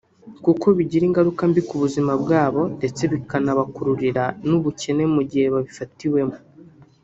kuko bigira ingaruka mbi ku buzima bwabo ndetse bikabakururira n’ubukene mu gihe babifatiwemo